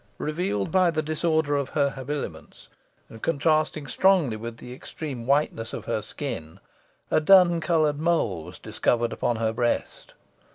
Revealed by the disorder of her habiliments, and contrasting strongly with the extreme whiteness of her skin, a dun coloured mole was discovered upon her breast.